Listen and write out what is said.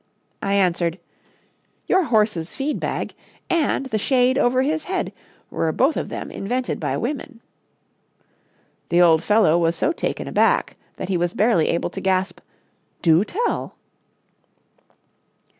I answered, 'Your horse's feed bag and the shade over his head were both of them invented by women.' The old fellow was so taken aback that he was barely able to gasp, 'Do tell!'"